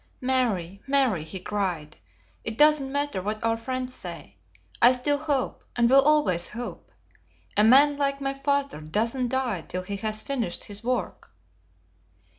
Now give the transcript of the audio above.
"Mary, Mary!" he cried, "it doesn't matter what our friends say, I still hope, and will always hope. A man like my father doesn't die till he has finished his work."